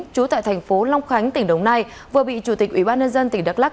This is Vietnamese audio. trú tại thành phố long khánh tỉnh đồng nai vừa bị chủ tịch ủy ban nhân dân tỉnh đắk lắc